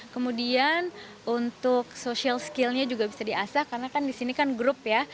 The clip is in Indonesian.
kemudian untuk social skillnya juga bisa di asah karena kan disini kan grup ya